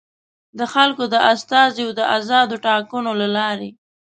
د خلکو د استازیو د ازادو ټاکنو له لارې.